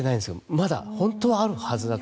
まだ本当はあるはずだと。